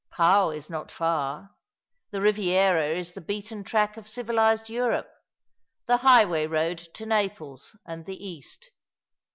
Pau is not far — the Eiviera is the beaten track of civilized Europe, the highway road to Naples and the East.